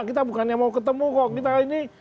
kita bukannya mau ketemu kok kita ini